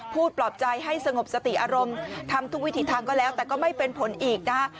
ปลอบใจให้สงบสติอารมณ์ทำทุกวิถีทางก็แล้วแต่ก็ไม่เป็นผลอีกนะฮะ